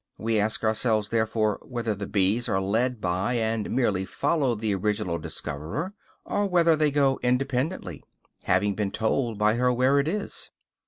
We ask ourselves therefore whether the bees are led by, and merely follow the original discoverer, or whether they go independently, having been told by her where it is?